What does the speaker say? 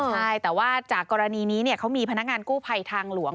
ใช่แต่ว่าจากกรณีนี้เขามีพนักงานกู้ภัยทางหลวง